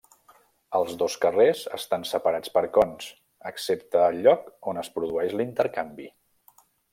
Els dos carrers estan separats per cons excepte al lloc on es produeix l'intercanvi.